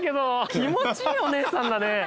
気持ちいいお姉さんだね。